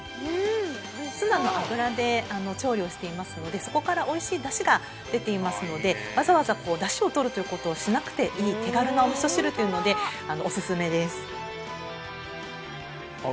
ツナの油で調理をしていますのでそこからおいしい出汁が出ていますのでわざわざ出汁をとるということをしなくていい手軽なお味噌汁というのでおすすめですあっ